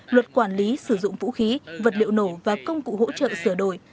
luật quản lý sử dụng vũ khí vật liệu nổ và công cụ hỗ trợ sửa đổi